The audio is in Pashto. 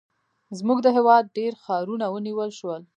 زموږ د هېواد ډېر ښارونه ونیول شول.